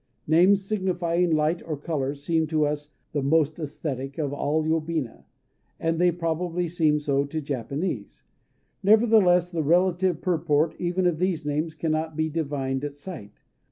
_ Names signifying light or color seem to us the most æsthetic of all yobina; and they probably seem so to the Japanese. Nevertheless the relative purport even of these names cannot be divined at sight.